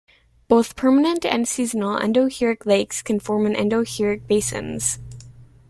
Both permanent and seasonal endorheic lakes can form in endorheic basins.